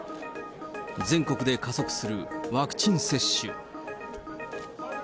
全国で加速するワクチン接種。